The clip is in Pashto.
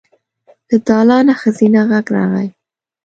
له دالانه ښځينه غږ راغی.